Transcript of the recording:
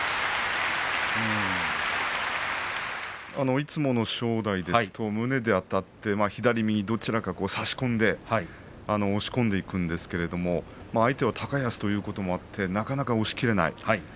いつもの正代ですと胸であたって、左右どちらか差し込んで押し込んでいくんですけれども相手は高安ということもあってなかなか押しきれない。